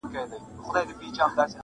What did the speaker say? o څو تر څو به دوې هواوي او یو بام وي,